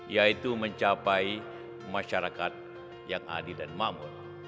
yaitu mencapai masyarakat yang adil dan makmur